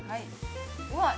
うわっ！